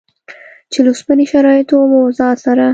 چې له اوسنیو شرایطو او اوضاع سره